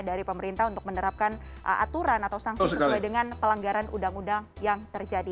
dari pemerintah untuk menerapkan aturan atau sanksi sesuai dengan pelanggaran undang undang yang terjadi